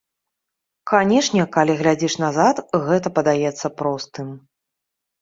Канешне, калі глядзіш назад, гэта падаецца простым.